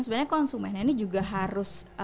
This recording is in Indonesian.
sebenarnya konsumennya ini juga harus